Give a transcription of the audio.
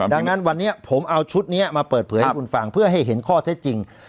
ดังนั้นวันนี้ผมเอาชุดนี้มาเปิดเผยให้คุณฟังเพื่อให้เห็นข้อเท็จจริง